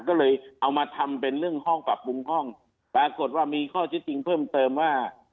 ก็เลยเอามาทำเป็นเรื่องห้องปรับปรุงห้องปรากฏว่ามีข้อที่จริงเพิ่มเติมว่า